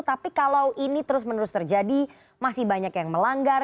tapi kalau ini terus menerus terjadi masih banyak yang melanggar